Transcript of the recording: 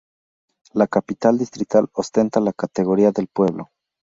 La capital distrital, ostenta la categoría de pueblo.